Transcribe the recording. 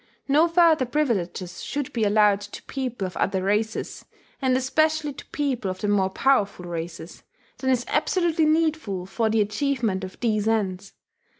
No further privileges should be allowed to people of other races, and especially to people of the more powerful races, than is absolutely needful for the achievement of these ends.